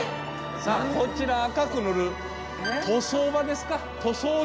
さあこちら赤く塗る塗装場ですか塗装場。